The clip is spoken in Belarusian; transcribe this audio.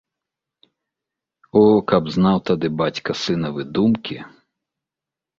О, каб знаў тады бацька сынавы думкі!